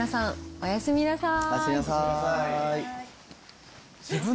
おやすみなさい。